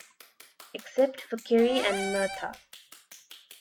Except for Kerry and Murtha.